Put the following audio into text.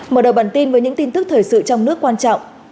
mở đầu bản tin với những tin tức thời sự trong nước quan trọng